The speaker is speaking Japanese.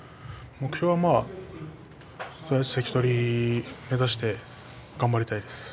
目標は関取を目指して頑張りたいです。